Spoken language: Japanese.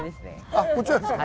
あっこちらですか。